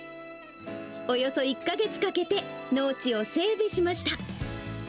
およそ１か月かけて農地を整備しました。